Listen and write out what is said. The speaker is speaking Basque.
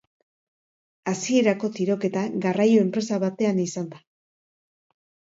Hasierako tiroketa garraio enpresa batean izan da.